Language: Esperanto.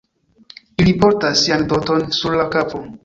Ili portas sian doton sur la kapo.